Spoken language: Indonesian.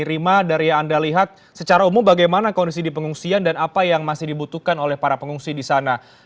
rima dari yang anda lihat secara umum bagaimana kondisi di pengungsian dan apa yang masih dibutuhkan oleh para pengungsi di sana